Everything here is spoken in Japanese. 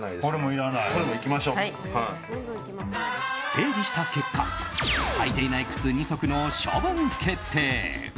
整理した結果履いていない靴２足の処分決定。